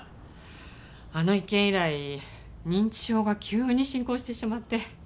あの一件以来認知症が急に進行してしまって。